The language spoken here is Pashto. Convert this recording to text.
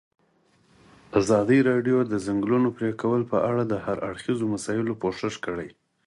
ازادي راډیو د د ځنګلونو پرېکول په اړه د هر اړخیزو مسایلو پوښښ کړی.